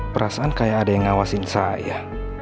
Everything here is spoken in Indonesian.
perasaan kayak ada yang ngawasin saya